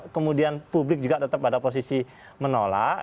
kemudian publik juga tetap pada posisi menolak